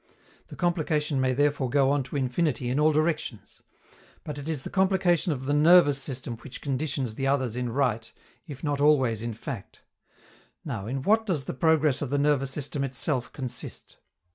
The complication may therefore go on to infinity in all directions; but it is the complication of the nervous system which conditions the others in right, if not always in fact. Now, in what does the progress of the nervous system itself consist?